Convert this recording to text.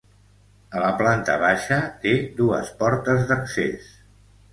A la planta baixa té dues portes d'accés.